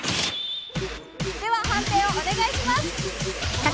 判定をお願いします。